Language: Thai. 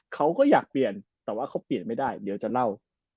เขาก็อยากเปลี่ยนแต่ว่าเขาเปลี่ยนไม่ได้เดี๋ยวจะเล่า